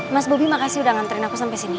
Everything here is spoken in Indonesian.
mas bobby makasih udah nganterin aku sampe sini